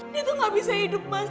dia tuh gak bisa hidup mas